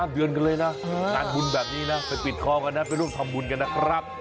เดือนกันเลยนะงานบุญแบบนี้นะไปปิดทองกันนะไปร่วมทำบุญกันนะครับ